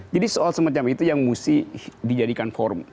jadi soal semacam itu yang mesti dijadikan forum